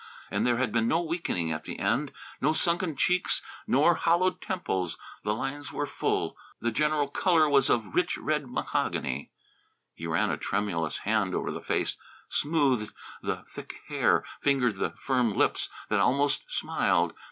And there had been no weakening at the end, no sunken cheeks nor hollowed temples. The lines were full. The general colour was of rich red mahogany. He ran a tremulous hand over the face, smoothed the thick hair, fingered the firm lips that almost smiled.